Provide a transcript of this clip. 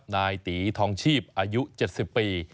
นายตีทองชีพอายุ๗๐ปี